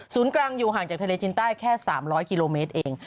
กลางอยู่ห่างจากทะเลจินใต้แค่๓๐๐กิโลเมตรเอง